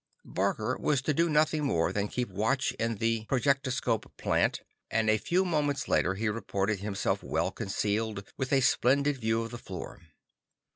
Barker was to do nothing more than keep watch in the projectoscope plant, and a few moments later he reported himself well concealed, with a splendid view of the floor.